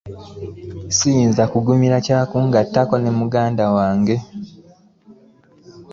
Siyinza kugumira kya kungattika na muganda wange.